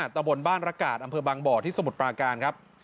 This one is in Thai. ตะบนบ้านระกาศอำเภอบางบ่อที่สมุทรปราการครับ